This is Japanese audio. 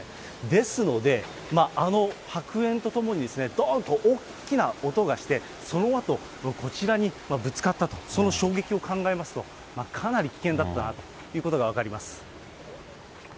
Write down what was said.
ですので、あの白煙とともにどーんと大きな音がして、そのあと、こちらにぶつかったと、その衝撃を考えますと、かなり危険だったということが分かります。